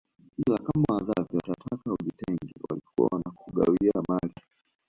Ila kama wazazi watataka ujitenge walikuwa wanakugawia mali